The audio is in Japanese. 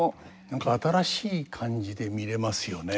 何か新しい感じで見れますよね。